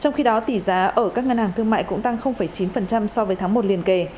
trong khi đó tỷ giá ở các ngân hàng thương mại cũng tăng chín so với tháng một liên kề